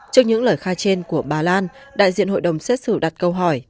trước những lời khai trên của bà lan đại diện hội đồng xét xử đặt câu hỏi